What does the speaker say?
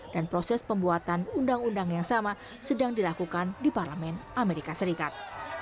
dan proses pembuatan undang undang yang sama sedang dilakukan di parlemen amerika serikat